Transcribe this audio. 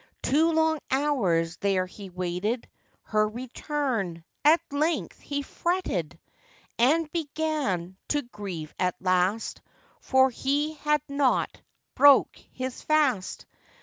Two long hours there he waited Her return;—at length he fretted, And began to grieve at last, For he had not broke his fast.